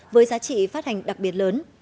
với giá trị phát hành đặc biệt lớn